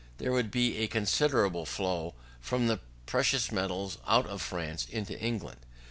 There would be a considerable flow of the precious metals out of France into England.